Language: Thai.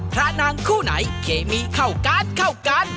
พระนางคู่ไหนเคมีเข้ากันเข้ากัน